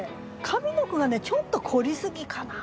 上の句がねちょっと凝りすぎかな。